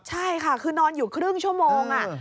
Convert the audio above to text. ใช่ค่ะคือนอนอยู่ครึ่งชั่วโมง